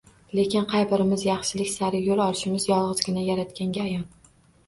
Lekin qay birimiz yaxshilik sari yo‘l olishimiz yolg‘izgina Yaratganga ayon!